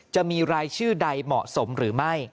จะมีรายชื่อใดเหมาะสมหรือไม่